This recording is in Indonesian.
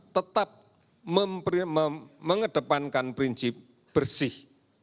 tetap mengedepankan prinsip bersih